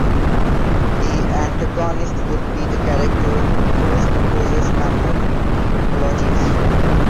The antagonist would be the character who most opposes Hamlet, Claudius.